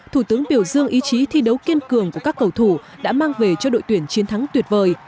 thủ tướng biểu dương ý chí thi đấu kiên cường của các cầu thủ đã mang về cho đội tuyển chiến thắng tuyệt vời